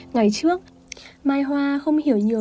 ngày trước mai hoa không hiểu nhiều